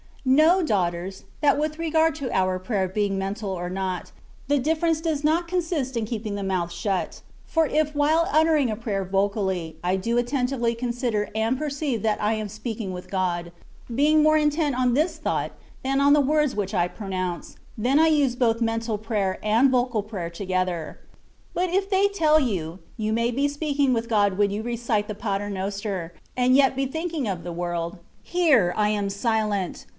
Know^ (laughters^ that with regard to our prayer being mental or not^ the ditterence does not consist in keeping the mouth shut ; for if while uttering a prayer vocally, I do attentively consider and perceive that I am speaking with (lod^ being more intent on this thought than on the words which I pronounce, then 1 use both mental nrayer and vocal prayer together. Hut if they tell you, ?ou may be speaking with (lod when you recite the *ater Noster, and yet be thinking of the world, here I am silent.